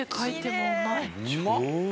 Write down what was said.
超うまっ。